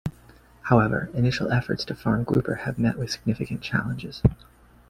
However, initial efforts to farm grouper have met with significant challenges.